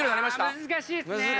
難しいっすね。